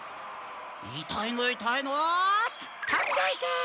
いたいのいたいのとんでいけ！